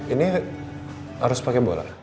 ini harus pakai bola